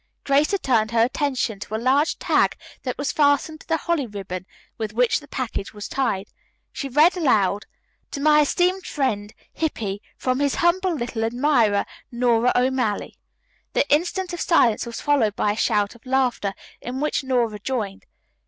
Grace had turned her attention to a large tag that was fastened to the holly ribbon with which the package was tied. She read aloud, "To my esteemed friend, Hippy, from his humble little admirer, Nora O'Malley." The instant of silence was followed by a shout of laughter, in which Nora joined.